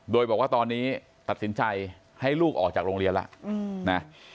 โดยบอกว่าตอนนี้ตัดสินใจให้ลูกออกจากโรงเรียนแล้วนะ